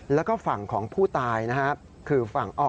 แล้วก็ฝั่งของผู้ตายนะครับ